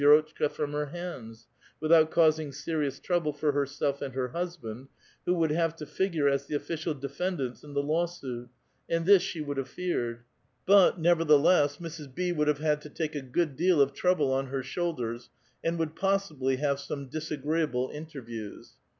rotclika from her hands, without causing serious trouble for herself and her hnsband, who would have to fig ure as the ofiicial defendants in the law suit, and this she would have feared. But, nevertheless, Mrs. B. would have to take a good deal of trouble on her shoulders, and would possibly have some disagreeable interviews.